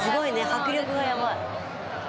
はく力がやばい。